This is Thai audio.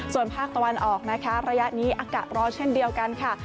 ส่วนภาคตะวันออกนะคะระยะนี้อากาศร้อนเช่นเดียวกันค่ะ